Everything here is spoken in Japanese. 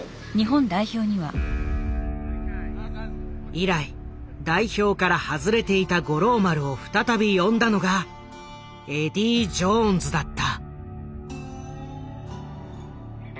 以来代表から外れていた五郎丸を再び呼んだのがエディー・ジョーンズだった。